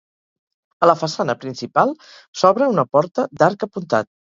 A la façana principal s'obre una porta d'arc apuntat.